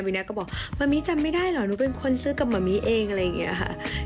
นักก็บอกมะมิจำไม่ได้เหรอหนูเป็นคนซื้อกับมะมิเองอะไรอย่างนี้ค่ะ